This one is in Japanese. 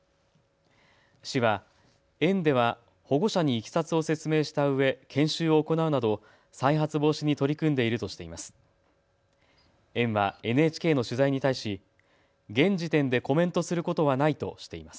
市は園では保護者にいきさつを説明したうえ、研修を行うなど再発防止に取り組んでいるとしています。